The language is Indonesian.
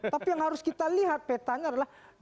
tapi yang harus kita lihat petanya adalah